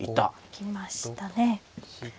行きましたね。